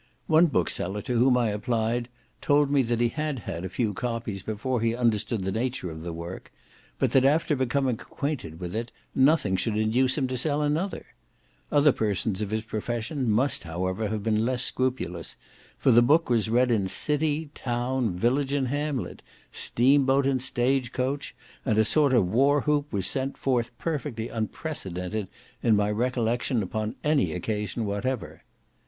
One bookseller to whom I applied, told me that he had had a few copies before he understood the nature of the work, but that after becoming acquainted with it, nothing should induce him to sell another. Other persons of his profession must, however, have been less scrupulous, for the book was read in city, town, village, and hamlet, steam boat, and stage coach, and a sort of war whoop was sent forth perfectly unprecedented in my recollection upon any occasion whatever.